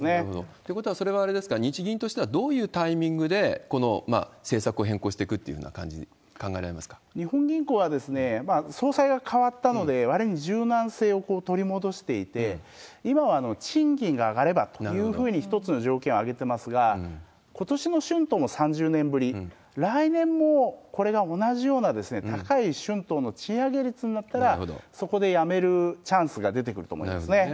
ということは、それはあれですか、日銀としてはどういうタイミングでこの政策を変更していくという日本銀行は、総裁が変わったので、割に柔軟性を取り戻していて、今は賃金が上がればというのに一つの条件を挙げてますが、今年の春闘も３０年ぶり、来年もこれが同じような高い春闘の賃上げ率になったら、そこでやめるチャンスが出てくると思いますね。